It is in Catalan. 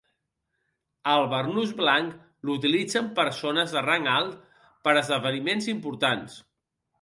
El barnús blanc l'utilitzen persones de rang alt per a esdeveniments importants.